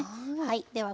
では